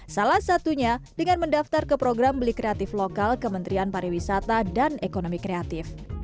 salah satunya dengan mendaftar ke program beli kreatif lokal kementerian pariwisata dan ekonomi kreatif